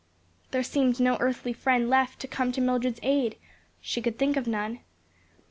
There seemed no earthly friend left to come to Mildred's aid; she could think of none.